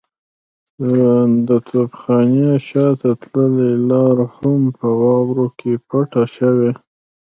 د توپخانې شاته تللې لار هم په واورو کې پټه شوه.